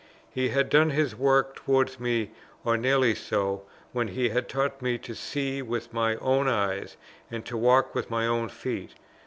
He had done his work towards me or nearly so, when he had taught me to see with my own eyes and to walk with my own feet.